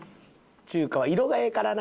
中華は色がええからな。